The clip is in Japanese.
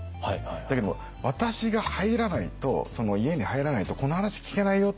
だけども私が入らないとその家に入らないとこの話聞けないよ